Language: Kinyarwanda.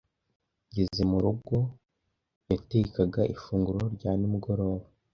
Ngeze mu rugo, yatekaga ifunguro rya nimugoroba.